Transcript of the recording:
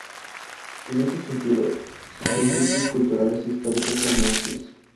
En ese sentido, sus vestigios culturales e históricos son amplios.